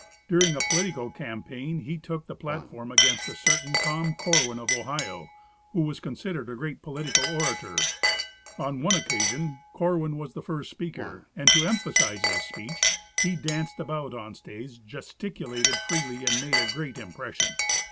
During a political campaign, he took the platform against a certain Tom Corwin of Ohio, who was considered a great political orator. On one occasion Corwin was the first speaker, and to emphasize his speech, he danced about on the stage, gesticulated freely, and made a great impression.